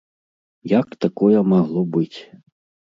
Як такое магло быць?